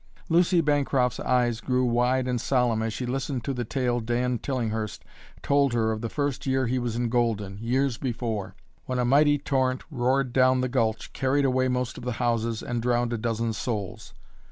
Lucy Bancroft's eyes grew wide and solemn as she listened to the tale Dan Tillinghurst told her of the first year he was in Golden, years before, when a mighty torrent roared down the gulch, carried away most of the houses, and drowned a dozen souls.